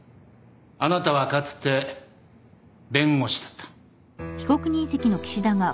あなたはかつて弁護士だった。